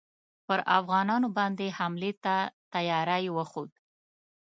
پر افغانانو باندي حملې ته تیاری وښود.